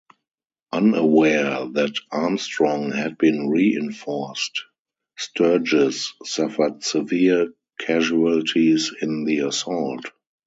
Unaware that Armstrong had been reinforced, Sturgis suffered severe casualties in the assault.